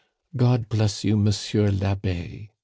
"God bless you, Monsieur l'Abbe!"